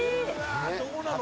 どうなの？